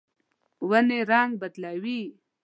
ونې رڼګ بدلوي